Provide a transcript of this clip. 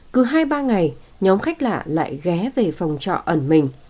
cứ hai ba ngày nhóm khách lạ lại ghé về phòng trọ ẩn mình